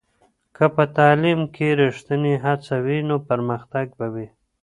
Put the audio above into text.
که په تعلیم کې ریښتینې هڅه وي، نو پرمختګ به وي.